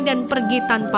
dan pergi tanpa kemampuan